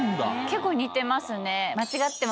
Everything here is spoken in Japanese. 結構似てますね。